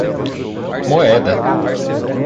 Moeda